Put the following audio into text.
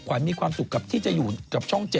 ขวัญมีความสุขที่จะอยู่กับช่อง๗